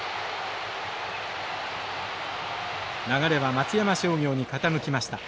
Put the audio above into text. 流れは松山商業に傾きました。